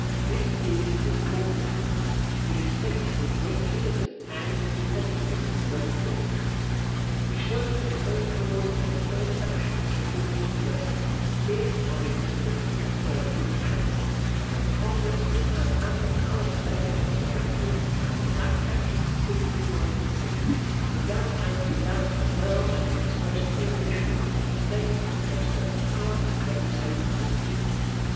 This is an important point. It is stated with great clearness, and defended with great force. He shows that the first clause of the first section of the Fourteenth Amendment is of a distinctly affirmative character, and that Congress would have had the power to legislate directly as to that section simply by implication, but that as to that as well as the express prohibitions upon the States, express power to legislate was given.